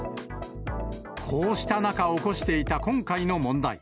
こうした中、起こしていた今回の問題。